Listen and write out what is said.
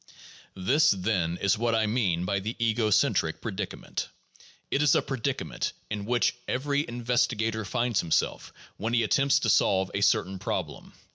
This, then, is what I mean by the ego centric predicament. It is a predicament in which every investigator finds himself when he attempts to solve a certain problem.